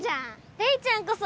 レイちゃんこそ。